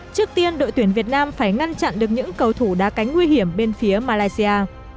trước tiên đội tuyển việt nam phải ngăn chặn được những cầu thủ đá cánh nguy hiểm bên phía malaysia